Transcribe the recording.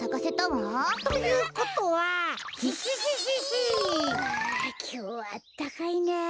わあきょうはあったかいなあ。